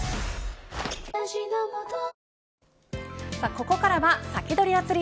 ここからはサキドリ！